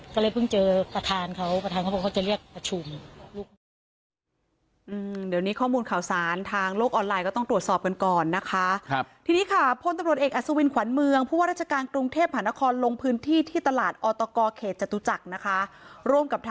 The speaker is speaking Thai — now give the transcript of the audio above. ก็เลยเพิ่งเจอประธานเขาประธานเขาบอกเขาจะเรียกประชุม